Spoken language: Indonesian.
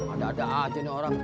ada ada aja nih orang